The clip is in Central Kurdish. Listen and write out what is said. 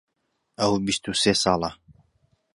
ئەو بیست و سێ ساڵە.